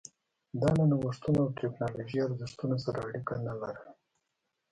دا له نوښتونو او ټکنالوژۍ ارزښتونو سره اړیکه نه لرله